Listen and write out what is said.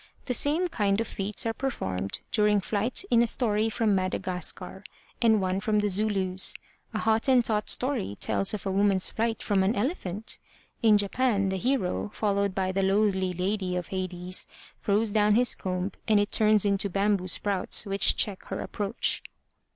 The same kind of feats are performed during flight in a story from Madagascar, and one from the Zulus. A Hottentot story tells of a woman's flight from an elephant. In Japan, the hero, followed by the Loathly Lady of Hades, throws down his comb and it turns into bamboo sprouts which check her approach.